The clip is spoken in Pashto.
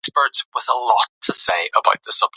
دولتي چارواکي د مالي سرچینو ساتونکي دي.